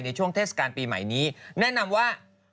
ช่วงเทศกาลปีใหม่นี้แนะนำว่า